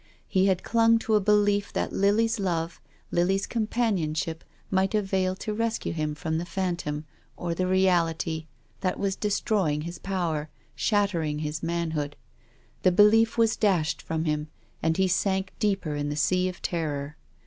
He had clung to a belief that Lily's love, Lily's compan ionship might avail to rescue him from the phan tom, or the reality, that was destroying his power, shattering his manhood. The belief was dashed from him, and he sank deeper in the sea of terror.